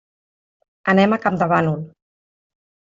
Anem a Campdevànol.